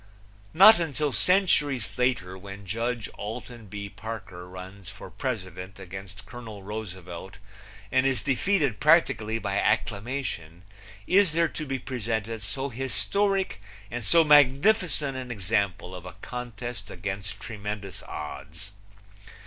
Not until centuries later, when Judge Alton B. Parker runs for president against Colonel Roosevelt and is defeated practically by acclamation is there to be presented so historic and so magnificent an example of a contest against tremendous odds.